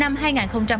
thì mới phải phát triển